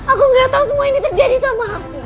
aku gak tahu semua ini terjadi sama aku